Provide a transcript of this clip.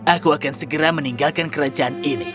aku akan segera meninggalkan kerajaan ini